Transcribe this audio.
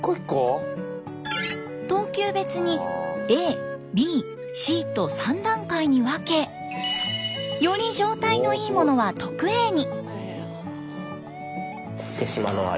等級別にＡＢＣと３段階に分けより状態のいいものは特Ａに。